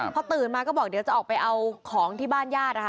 พอตื่นมาก็บอกเดี๋ยวจะออกไปเอาของที่บ้านญาตินะคะ